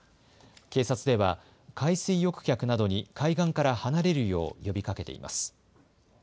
警察では海水浴客などに海岸から離れるよう呼びかけています。